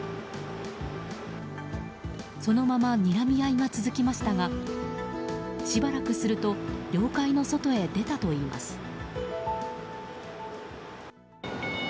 そのままにらみ合いが続きましたがしばらくすると領海の外に出たといいます。